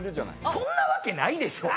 そんなわけないでしょ！